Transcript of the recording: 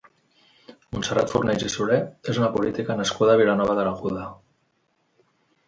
Montserrat Fornells i Solé és una política nascuda a Vilanova de l'Aguda.